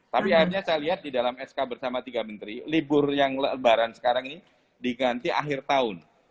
tapi akhirnya saya lihat di dalam sk bersama tiga menteri libur yang lebaran sekarang ini diganti akhir tahun